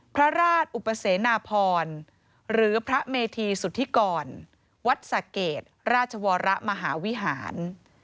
พระราชอุปเสนาพรหรือพระเมธีสุธิกรวัดสะเกดราชวรมหาวิหาร